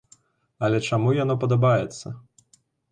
Але чаму яно падабаецца?